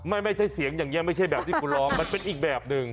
ไม่ใช่เสียงอย่างนี้ไม่ใช่แบบที่คุณร้องมันเป็นอีกแบบหนึ่ง